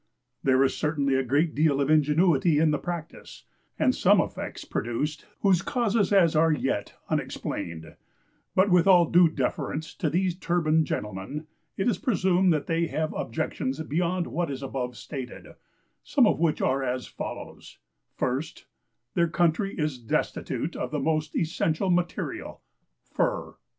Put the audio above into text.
There is certainly a great deal of ingenuity in the practice, and some effects produced whose causes are as yet unexplained: but, with all due deference to these turban gentlemen, it is presumed that they have objections beyond what is above stated, some of which are as follows: First, their country is destitute of the most essential material FUR.